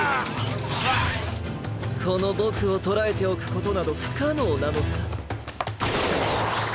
このボクをとらえておくことなどふかのうなのさ。